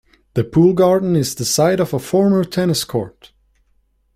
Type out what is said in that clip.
The pool garden is the site of a former tennis court.